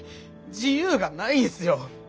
自由がないんすよ！